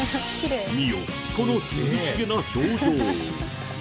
見よ、この涼しげな表情。